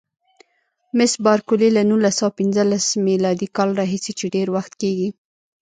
مس بارکلي: له نولس سوه پنځلسم میلادي کال راهیسې چې ډېر وخت کېږي.